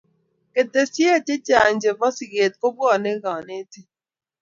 Katisiek chehcang chebo siket kobwane konetik